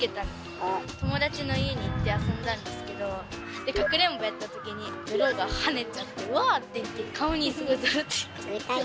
友達の家に行って遊んだんですけどでかくれんぼやったときに泥がはねちゃってわあって言って顔にすごい泥ついちゃって。